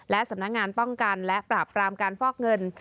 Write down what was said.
และสำนักงานป้องกันและปราบปรามการฟอกเงิน